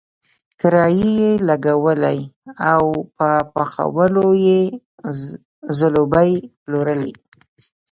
کرایي یې لګولی او په پخولو یې ځلوبۍ پلورلې.